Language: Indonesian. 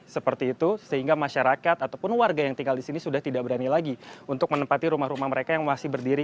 seperti itu sehingga masyarakat ataupun warga yang tinggal di sini sudah tidak berani lagi untuk menempati rumah rumah mereka yang masih berdiri